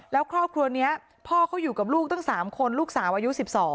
แล้วครอบครัวนี้พ่อเขาอยู่กับลูกตั้ง๓คนลูกสาวอายุ๑๒